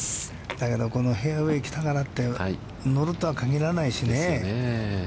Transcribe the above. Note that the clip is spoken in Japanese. だけど、フェアウェイ来たからって乗るとは限らないしね。